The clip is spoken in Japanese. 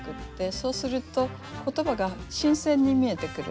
そうすると言葉が新鮮に見えてくるんです。